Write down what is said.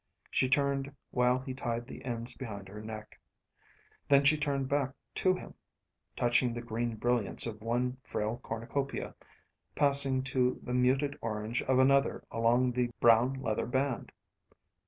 She turned while he tied the ends behind her neck. Then she turned back to him, touching the green brilliance of one frail cornucopia, passing to the muted orange of another along the brown leather band.